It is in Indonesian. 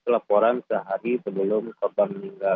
laporan sehari sebelum korban meninggal